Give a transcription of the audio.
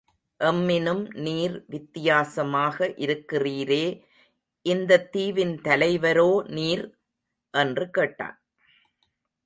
எம்மினும் நீர் வித்தியாசமாக இருக்கிறீரே இந்தத் தீவின் தலைவரோ நீர்? என்று கேட்டான்.